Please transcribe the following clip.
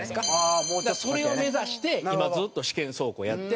それを目指して今ずっと試験走行やって。